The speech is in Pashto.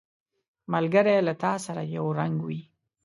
ملګری له تا سره یو رنګ وي